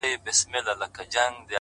پاڅه چي ځو ترې ؛ ه ياره؛